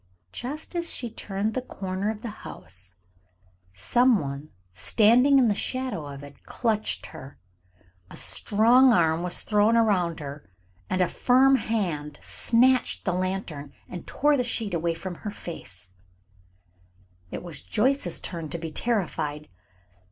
Just as she turned the corner of the house, some one standing in the shadow of it clutched her. A strong arm was thrown around her, and a firm hand snatched the lantern, and tore the sheet away from her face. [Illustration: "BROSSARD, BEWARE! BEWARE!"] It was Joyce's turn to be terrified.